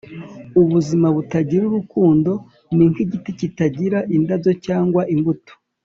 “ubuzima butagira urukundo ni nk'igiti kitagira indabyo cyangwa imbuto.”